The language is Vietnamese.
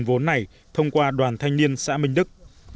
nguồn vốn này thông qua đoàn thanh niên xã minh đức